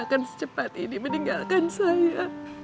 akan secepat ini meninggalkan saya